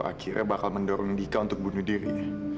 akhirnya bakal mendorong dika untuk bunuh diri